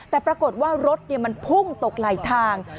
แต่ปรากฏว่ารถมันพุ่งตกไหลทาง